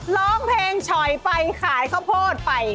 ร้องเพลงฉอยไปขายข้าวโพดไป